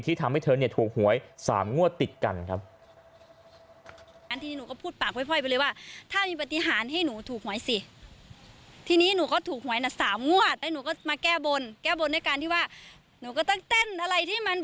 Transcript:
ทำให้เธอถูกหวย๓งวดติดกันครับ